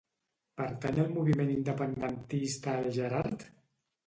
Pertany al moviment independentista el Gerard?